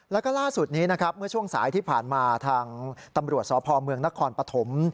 แล้วก็ล่าสุดนี้นะครับเมื่อช่วงสายที่ผ่านมาทางตำรวจสพเมืองนครปฐม